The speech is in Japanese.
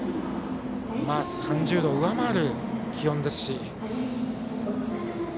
３０度を上回る気温ですし。